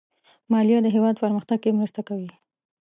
مالیه د هېواد پرمختګ کې مرسته کوي.